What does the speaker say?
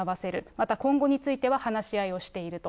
また今後については話し合いをしていると。